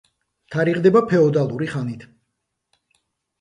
თარიღდება ფეოდალურ ხანით.